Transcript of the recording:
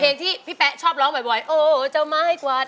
เพลงนี้อยู่ในอาราบัมชุดแรกของคุณแจ็คเลยนะครับ